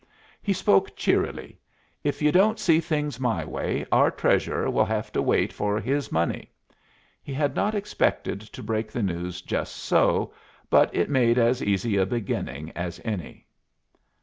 He spoke cheerily. "If you don't see things my way, our Treasurer will have to wait for his money." He had not expected to break the news just so, but it made as easy a beginning as any.